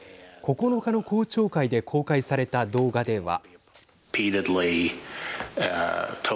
９日の公聴会で公開された動画では。